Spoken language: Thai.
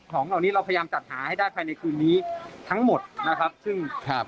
ของเหล่านี้เราพยายามจัดหาให้ได้ภายในคืนนี้ทั้งหมดนะครับซึ่งครับ